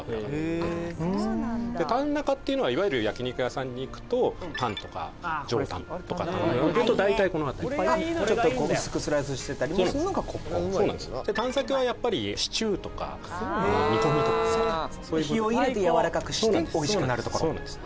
タン中っていうのはいわゆる焼き肉屋さんに行くとタンとか上タンとかっていわれると大体この辺りちょっと薄くスライスしてたりするのがここでタン先はやっぱりシチューとか煮込みとか火を入れてやわらかくしておいしくなるところそうなんです